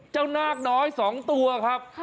เจ้านาติน้อย๒ตัวครับ